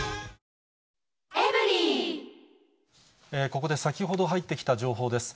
ここで先ほど入ってきた情報です。